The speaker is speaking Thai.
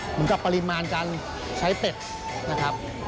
เหมือนกับปริมาณการใช้เป็ดนะครับ